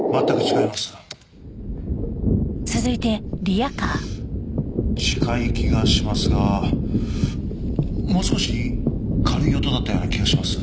「」近い気がしますがもう少し軽い音だったような気がします。